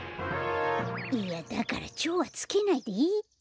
いやだから「超」はつけないでいいって。